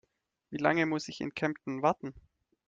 Wie lange muss ich in Kempten warten?